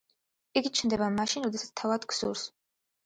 იგი ჩნდება მაშინ, როდესაც თავად გსურს.